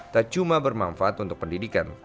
tak cuma bermanfaat untuk pendidikan